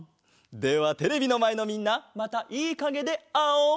ではテレビのまえのみんなまたいいかげであおう！